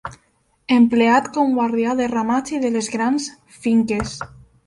Empleat com guardià de ramats i de les grans finques.